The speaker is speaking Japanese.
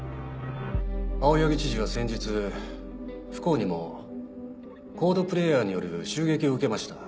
青柳知事は先日不幸にもＣＯＤＥプレイヤーによる襲撃を受けました。